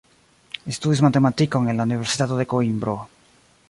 Li studis matematikon en la Universitato de Koimbro.